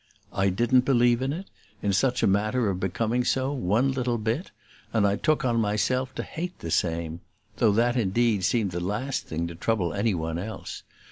I didn't believe in it, in such a manner of becoming so, one little bit, and I took on myself to hate the same; though that indeed seemed the last thing to trouble any one else.